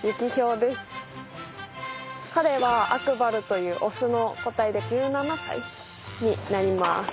彼はアクバルというオスの個体で１７歳になります。